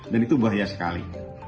dan itu bahaya sekali